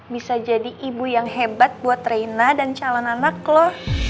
bisa jadi ibu yang hebat buat reina dan calon anak loh